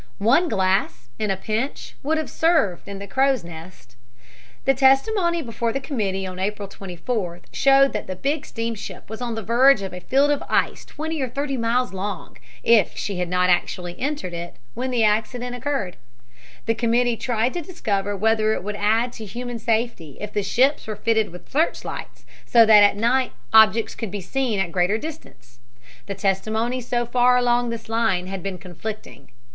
One glass, in a pinch, would have served in the crow's nest. The testimony before the committee on April 24th showed that the big steamship was on the verge of a field of ice twenty or thirty miles long, if she had not actually entered it, when the accident occurred. The committee tried to discover whether it would add to human safety if the ships were fitted with search lights so that at night objects could be seen at a greater distance. The testimony so far along this line had been conflicting.